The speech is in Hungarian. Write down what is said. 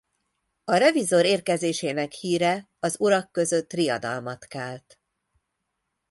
A revizor érkezésének híre az urak között riadalmat kelt.